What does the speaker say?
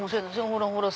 ほらほら！